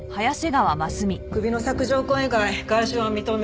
首の索条痕以外外傷は認められない。